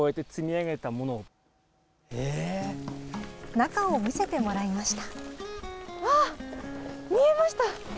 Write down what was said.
中を見せてもらいました。